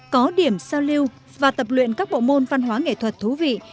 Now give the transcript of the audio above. có điểm giao lưu và tập luyện các bộ môn văn hóa nghệ thuật thú vị